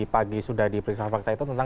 pagi sudah diperiksa fakta itu tentang